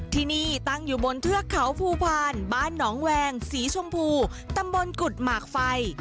ที่นี่ตั้งอยู่บนเทือกเขาภูพาลบ้านหนองแวงสีชมพูตำบลกุฎหมากไฟ